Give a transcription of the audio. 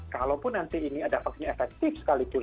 kalaupun nanti ini ada vaksinnya efektif sekalipun